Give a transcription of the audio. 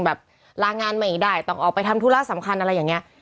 ลางานไม่ได้ต้องออกไปทำธุระสำคัญอะไรอย่างนี้